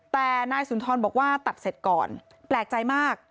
แต่นายสุนทรบอกว่าตัดเสร็จก่อนแปลกใจมาก